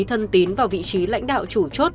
thân tín vào vị trí lãnh đạo chủ chốt